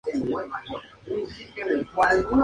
La represión desatada posteriormente llevó a María a prisión.